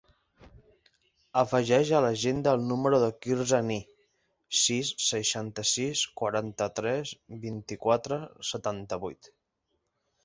Afegeix a l'agenda el número del Quirze Ni: sis, seixanta-sis, quaranta-tres, vint-i-quatre, setanta-vuit.